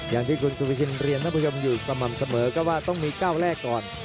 อย่างที่คุณสุวิชินเรียนท่านผู้ชมอยู่สม่ำเสมอก็ว่าต้องมีก้าวแรกก่อน